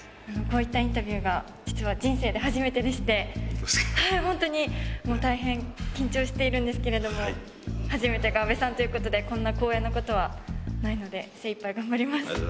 こういったインタビューが実は人生で初めてでしてホントですかはいホントにもう大変緊張しているんですけれども初めてが阿部さんということでこんな光栄なことはないので精いっぱい頑張ります